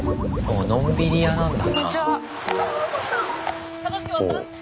のんびり屋なんだな。